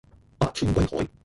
百川歸海